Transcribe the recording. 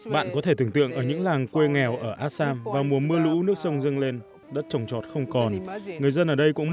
bạn có thể tưởng tượng ở những làng quê nghèo ở assam vào mùa mưa lũ nước sông dâng lên đất trồng trọt không còn